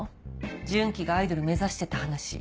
順基がアイドル目指してた話。